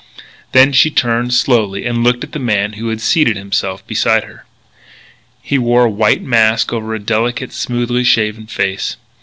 Then she turned, slowly, and looked at the man who had seated himself beside her. He wore a white mask over a delicate, smoothly shaven face.